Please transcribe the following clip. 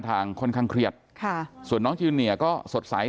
นางนาคะนี่คือยายน้องจีน่าคุณยายถ้าแท้เลย